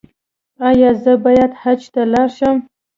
ایا زه باید حج ته لاړ شم؟